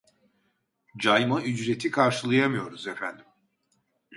Cayma ücreti karşılayamıyoruz efendim